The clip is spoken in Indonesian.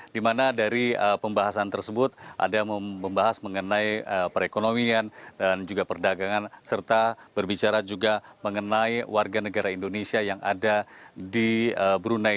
dimana dari pembahasan tersebut ada membahas mengenai perekonomian dan juga perdagangan serta berbicara juga mengenai warga negara indonesia yang ada di brunei